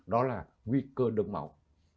đó là nguy cơ đông máu